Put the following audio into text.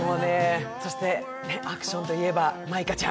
アクションといえば舞香ちゃん。